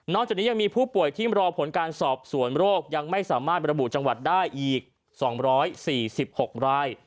จากนี้ยังมีผู้ป่วยที่รอผลการสอบสวนโรคยังไม่สามารถระบุจังหวัดได้อีก๒๔๖ราย